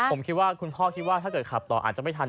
มันคิดว่าคุณพ่อถ้าเกิดขับต่ออาจจะไม่ทัน